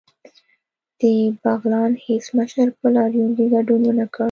د بغلان هیڅ مشر په لاریون کې ګډون ونکړ